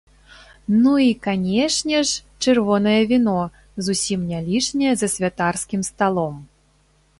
Ну і, канешне ж, чырвонае віно, зусім не лішняе за святарскім сталом.